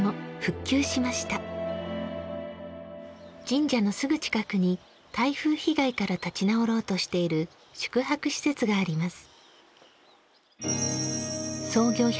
神社のすぐ近くに台風被害から立ち直ろうとしている宿泊施設があります。